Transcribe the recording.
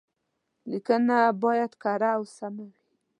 ليکنه بايد کره او سمه وي.